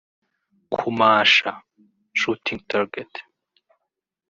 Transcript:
kumasha (shooting target)